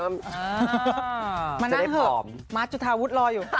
มานั่งเถอะมาร์ทจุธาวุฒิรออยู่